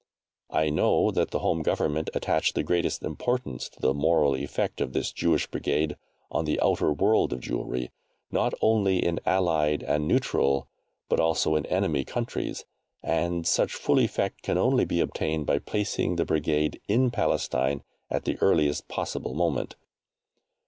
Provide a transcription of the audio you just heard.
I know that the Home Government attach the greatest importance to the moral effect of this Jewish Brigade on the outer world of Jewry not only in allied and neutral, but also in enemy countries and such full effect can only be obtained by placing the Brigade in Palestine at the earliest possible moment.